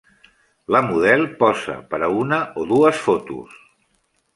La model posa per a una o dues fotos.